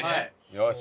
よし。